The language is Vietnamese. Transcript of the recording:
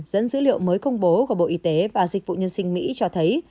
dẫn dữ liệu mới công bố của bộ y tế và dịch vụ nhân sinh mỹ cho thấy